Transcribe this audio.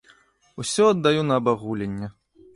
Усё аддаю на абагуленне.